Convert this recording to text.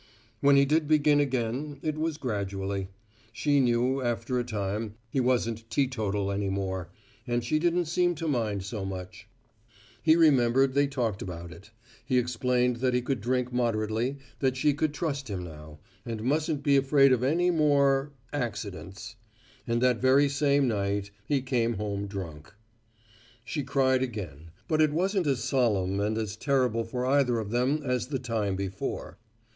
When he did begin again, it was gradually. She knew, after a time, he wasn't teetotal any more, and she didn't seem to mind so much. He remembered they talked about it. He explained that he could drink moderately, that she could trust him now, and mustn't ever be afraid of any more accidents. And that very same night he came home drunk. She cried again, but it wasn't as solemn and as terrible for either of them as the time before.